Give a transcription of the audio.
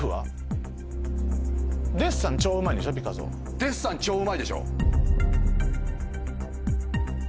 デッサン超うまいでしょ。